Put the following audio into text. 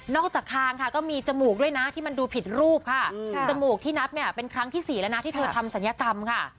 จากคางค่ะก็มีจมูกด้วยนะที่มันดูผิดรูปค่ะจมูกที่นับเนี่ยเป็นครั้งที่๔แล้วนะที่เธอทำศัลยกรรมค่ะ